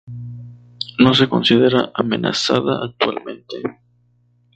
No se considera amenazada actualmente.